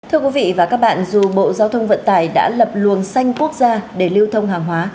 thưa quý vị và các bạn dù bộ giao thông vận tải đã lập luồng xanh quốc gia để lưu thông hàng hóa